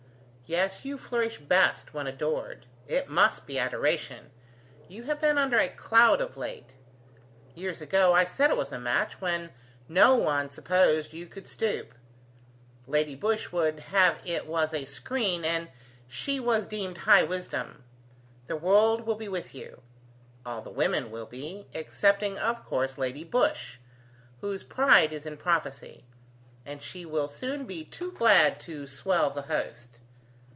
Yes, you flourish best when adored. It must be adoration. You have been under a cloud of late. Years ago I said it was a match, when no one supposed you could stoop. Lady Busshe would have it was a screen, and she was deemed high wisdom. The world will be with you. All the women will be: excepting, of course, Lady Busshe, whose pride is in prophecy; and she will soon be too glad to swell the host.